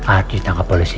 ardi tangkap polisi